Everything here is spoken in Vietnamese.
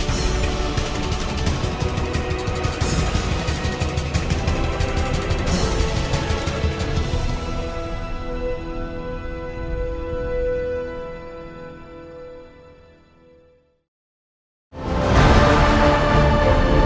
chương trình tp hcm